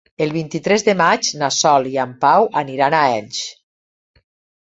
El vint-i-tres de maig na Sol i en Pau aniran a Elx.